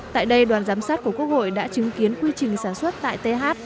tại đây đoàn giám sát của quốc hội đã chứng kiến quy trình sản xuất tại th